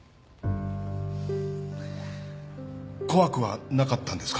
怖くはなかったんですか？